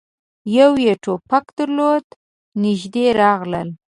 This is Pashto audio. يوه يې ټوپک درلود. نږدې راغلل،